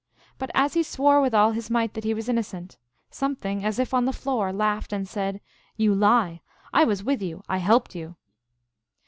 But as he swore with all his might that he was innocent, something, as if on the floor, laughed, and said, " You lie. I was with you ; I helped you."